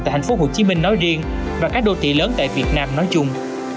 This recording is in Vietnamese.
tại thành phố hồ chí minh nói riêng và các đô thị lớn tại việt nam nói chung